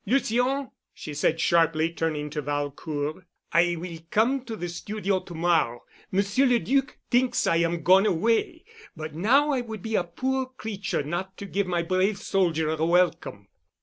Lucien," she said sharply, turning to Valcourt, "I will come to de studio to morrow. Monsieur le Duc t'inks I am gone away, but now I would be a poor creature not to give my brave soldier a welcome."